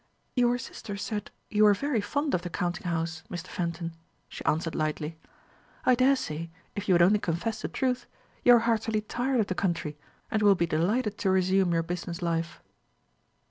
"Your sister said you were very fond of the counting house, Mr. Fenton," she answered lightly. "I daresay, if you would only confess the truth, you are heartily tired of the country, and will be delighted to resume your business life."